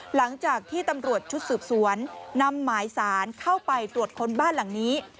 หลังจากที่ตำรวจชุดสืบสวนนำหมายสารเข้าไปตรวจค้นบ้านหลังนี้